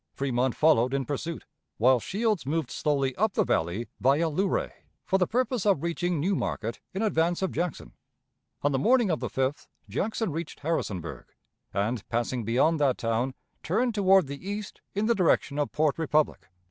Fremont followed in pursuit, while Shields moved slowly up the Valley via Luray, for the purpose of reaching New Market in advance of Jackson. On the morning of the 5th Jackson reached Harrisonburg, and, passing beyond that town, turned toward the east in the direction of Port Republic.